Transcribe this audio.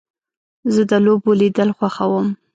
زه د لوبو لیدل خوښوم.